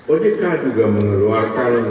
ojk juga mengeluarkan